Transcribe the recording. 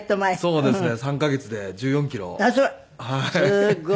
そうですね。